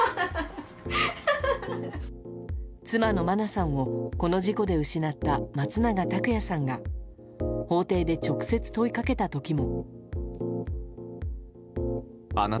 妻の真菜さんをこの事故で失った松永拓也さんが法廷で直接問いかけた時も。